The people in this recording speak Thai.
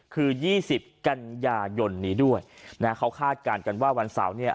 คือ๒๐กันยายนนี้ด้วยนะฮะเขาคาดการณ์กันว่าวันเสาร์เนี่ย